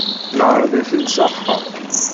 Neɛreḍ-it-id s axxam.